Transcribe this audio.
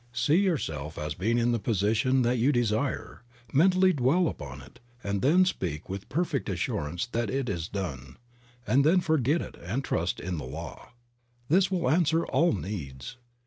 See your self as being in the position that you desire, mentally dwell upon it and then speak with perfect assurance that it is done; and then forget it and trust in the law. This will answer all needs.